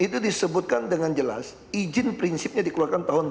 itu disebutkan dengan jelas izin prinsipnya dikeluarkan tahun dua ribu